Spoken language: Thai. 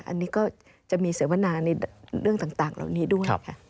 อันนี้ก็จะมีเสวนาในเรื่องต่างเหล่านี้ด้วยค่ะ